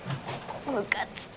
ムカつく！